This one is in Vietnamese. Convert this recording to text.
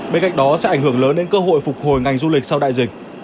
bên cạnh đó sẽ ảnh hưởng lớn đến cơ hội phục hồi ngành du lịch sau đại dịch